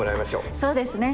そうですね。